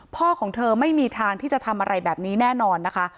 พ่อของเธอไม่มีทางที่จะทำอะไรแบบนี้แน่นอนนะคะ